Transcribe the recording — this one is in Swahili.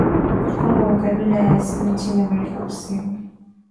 kwamba makabila ya asili nchini Amerika Kusini